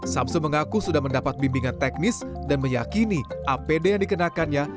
samsu mengaku sudah mendapat bimbingan teknis dan meyakini apd yang dikenakannya